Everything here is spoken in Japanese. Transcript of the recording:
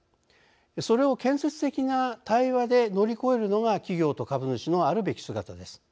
それを建設的な対話で乗り越えるのが企業と株主のあるべき姿です。